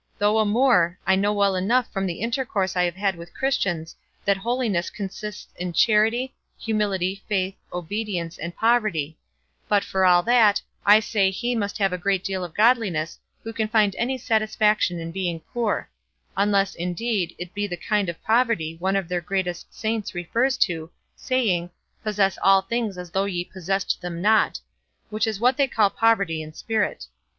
Although a Moor, I know well enough from the intercourse I have had with Christians that holiness consists in charity, humility, faith, obedience, and poverty; but for all that, I say he must have a great deal of godliness who can find any satisfaction in being poor; unless, indeed, it be the kind of poverty one of their greatest saints refers to, saying, 'possess all things as though ye possessed them not;' which is what they call poverty in spirit.